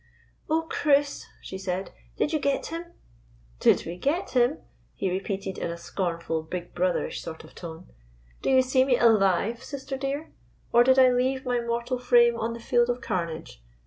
"Oh, Chris," she said, "did you get him?" "Did we get him?" he repeated in a scorn ful, big brotherish sort of tone. Do you see me alive, sister, dear? Or did I leave my mortal 14— Gypsy. 2 I 7 GYPSY, THE TALKING DOG frame on the field of carnage?